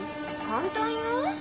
簡単よ。